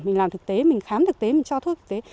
mình làm thực tế mình khám thực tế mình cho thuốc thực tế